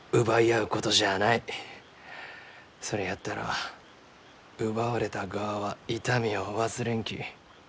それやったら奪われた側は痛みを忘れんき。